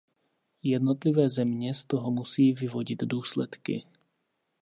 Jednotlivé země z toho musí vyvodit důsledky.